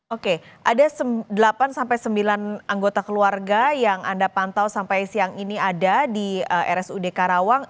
oke ada delapan sembilan anggota keluarga yang anda pantau sampai siang ini ada di rsud karawang